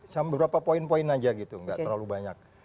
sama beberapa poin poin aja gitu nggak terlalu banyak